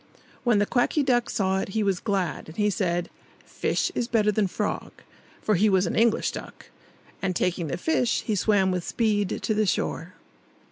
When the Quacky Duck saw it, he was glad; and he said, "Fish is better than frog" (for he was an English duck)! And, taking the fish, he swam with speed to the shore.